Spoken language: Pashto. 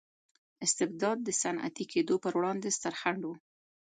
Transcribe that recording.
استبداد د صنعتي کېدو پروړاندې ستر خنډ و.